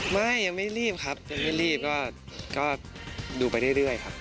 ไม่ยังไม่รีบครับยังไม่รีบก็ดูไปเรื่อยครับ